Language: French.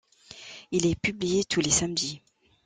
Il est publié tous les samedis.